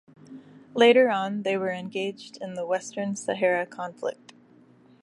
Later on, they were engaged in the Western Sahara conflict.